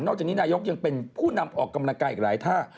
จากนี้นายกยังเป็นผู้นำออกกำลังกายอีกหลายท่า